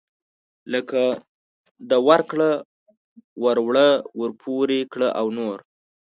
لکه ورکړه وروړه ورپورې کړه او نور.